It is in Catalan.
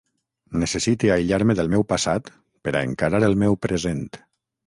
Necessite aïllar-me del meu passat per a encarar el meu present.